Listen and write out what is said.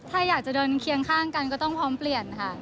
ถ้าอยากจะเดินเคียงข้างกันก็ต้องพร้อมเปลี่ยนค่ะ